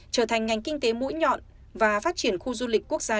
trở thành ngành kinh tế mũi nhọn và phát triển khu du lịch quốc gia